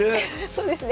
そうですね。